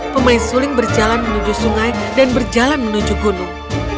pemain suling berjalan menuju sungai dan berjalan menuju gunung